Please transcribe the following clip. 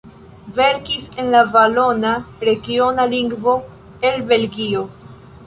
Verkis en la valona, regiona lingvo el Belgio.